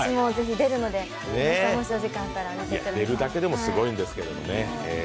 出るだけでもすごいんですけどね。